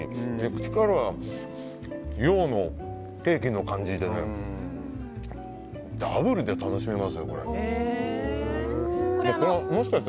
口からは洋のケーキの感じでダブルで楽しめますね、これは。